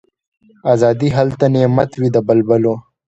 آزادي هلته نعمت وي د بلبلو